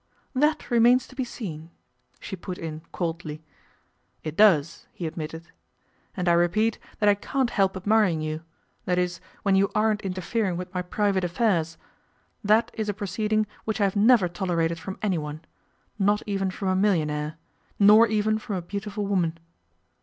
'That remains to be seen,' she put in coldly. 'It does,' he admitted. 'And I repeat that I can't help admiring you that is, when you aren't interfering with my private affairs. That is a proceeding which I have never tolerated from anyone not even from a millionaire, nor even from a beautiful woman.